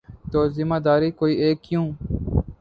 تو ذمہ دار کوئی ایک کیوں؟